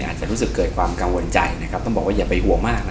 อาจจะรู้สึกเกิดความกังวลใจนะครับต้องบอกว่าอย่าไปห่วงมากนะ